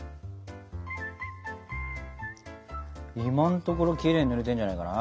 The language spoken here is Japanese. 今のところきれいに塗れてるんじゃないかな？